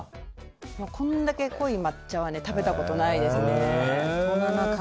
これだけ濃い抹茶は食べたことないですね。